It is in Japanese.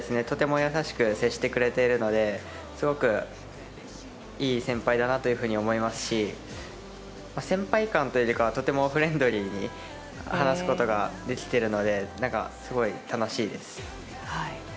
とても優しく接してくれているのですごくいい先輩だなというふうに思いますし先輩感というよりかはとてもフレンドリーに話すことができているのですごい楽しいです。